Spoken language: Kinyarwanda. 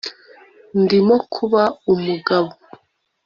ndimo kuba umugabo